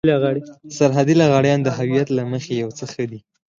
سرحدي لغړيان د هويت له مخې يو څه ښه دي.